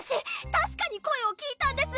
たしかに声を聞いたんです